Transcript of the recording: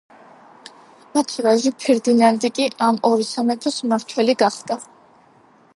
მათი ვაჟი ფერდინანდი კი ამ ორი სამეფოს მმართველი გახდა.